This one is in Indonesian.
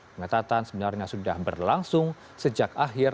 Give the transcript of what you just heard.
pengetatan sebenarnya sudah berlangsung sejak akhir